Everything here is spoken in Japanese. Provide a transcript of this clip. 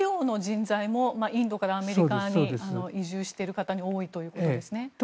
あと医療の人材もインドからアメリカに移住している方に多いということですね。